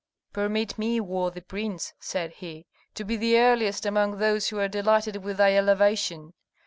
"Permit me, worthy prince," said he, "to be the earliest among those who are delighted with thy elevation.